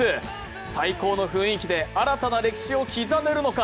最高の雰囲気で新たな歴史を刻めるのか。